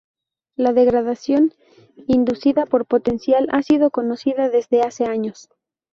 La degradación inducida por potencial ha sido conocida desde hace años.